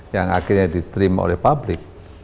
yang akhirnya diterima oleh publik